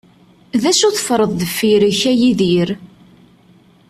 D acu i teffreḍ deffir-k, a Yidir?